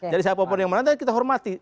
jadi siapa pun yang menantang kita hormati